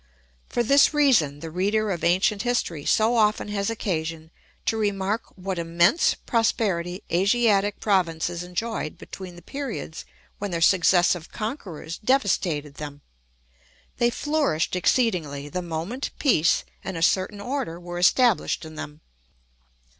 For this reason the reader of ancient history so often has occasion to remark what immense prosperity Asiatic provinces enjoyed between the periods when their successive conquerors devastated them. They flourished exceedingly the moment peace and a certain order were established in them.